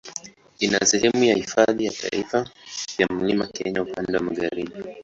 Ina sehemu ya Hifadhi ya Taifa ya Mlima Kenya upande wa magharibi.